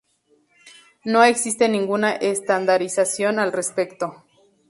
No existe ninguna estandarización al respecto.